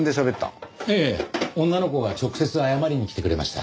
いやいや女の子が直接謝りに来てくれました。